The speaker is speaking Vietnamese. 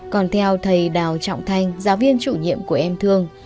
còn theo thầy đào trọng thanh giáo viên chủ nhiệm của em thương